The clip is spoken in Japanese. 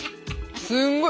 すんごい！